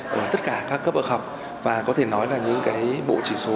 của tất cả các cấp ở khắp và có thể nói là những cái bộ chỉ số